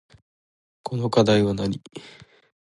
この課題はなに